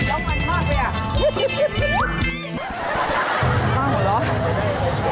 ร้องมันมากเลยอ่ะ